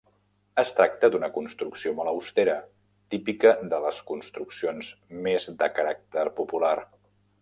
Es tracta d'una construcció molt austera, típica de les construccions més de caràcter popular.